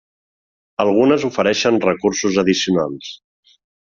Algunes ofereixen recursos addicionals.